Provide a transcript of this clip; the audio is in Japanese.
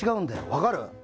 分かる？